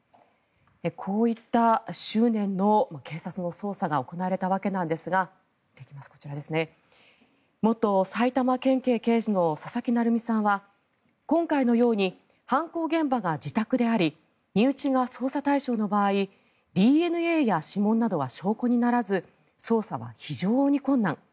こういった執念の警察の捜査が行われたわけなんですが元埼玉県警刑事の佐々木成三さんは今回のように犯行現場が自宅であり身内が捜査対象の場合ＤＮＡや指紋などは証拠にならず捜査は非常に困難。